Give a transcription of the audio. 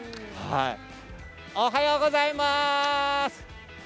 おはようございます。